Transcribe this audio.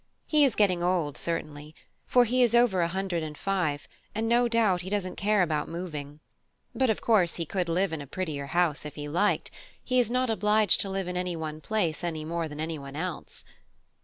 "He is getting old, certainly, for he is over a hundred and five, and no doubt he doesn't care about moving. But of course he could live in a prettier house if he liked: he is not obliged to live in one place any more than any one else.